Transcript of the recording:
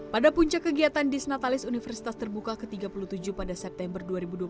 pada puncak kegiatan disnatalis universitas terbuka ke tiga puluh tujuh pada september dua ribu dua puluh